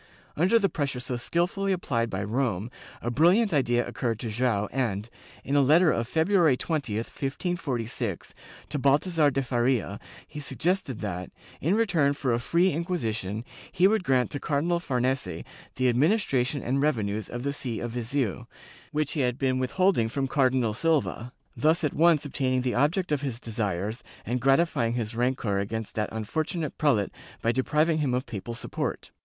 Under the pressure so skilfully applied by Rome, a brilliant idea occurred to Joao and, in a letter of February 20, 1546, to Balthazar de Faria, he suggested that, in return for a free Inquisition, he would grant to Cardinal Farnese the adminis tration and revenues of the see of Viseu, which he had been with holding from Cardinal Silva, thus at once obtaining the object of his desires and gratifying his rancor against that unfortunate prelate by depriving him of papal support.